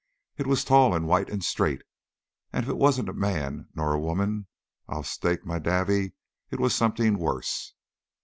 It was tall and white and straight, and if it wasn't a man nor a woman, I'll stake my davy it was something worse.